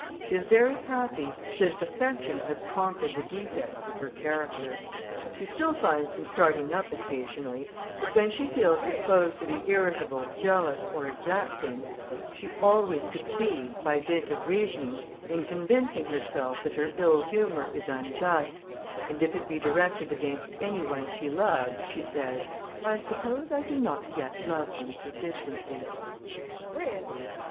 She is very happy, since affection has conquered the defects of her character. She still finds them starting up occasionally, but when she feels disposed to be irritable, jealous, or exacting, she always succeeds, by dint of reasoning, in convincing herself that her ill humour is unjust; and if it be directed against any one she loves, she says, "_I suppose I do not yet love them sufficiently.